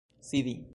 sidi